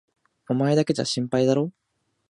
お前だけじゃ心配だろう？